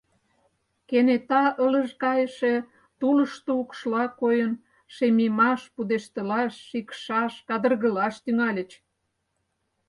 Кенета ылыж кайыше тулышто укшла койын шемемаш, пудештылаш, шикшаш, кадыргылаш тӱҥальыч.